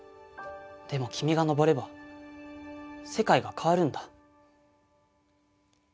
でも、君が登れば世界が変わるんだ。